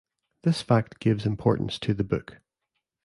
This fact gives importance to the book.